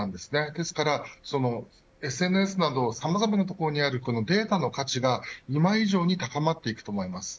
ですからＳＮＳなど、さまざまなところにあるデータの価値が今以上に高まっていくと思います。